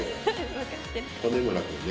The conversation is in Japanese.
金村君ね